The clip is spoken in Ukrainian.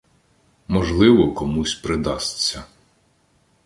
Можливо, комусь придасться.